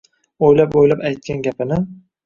O`ylab-o`ylab aytgan gapini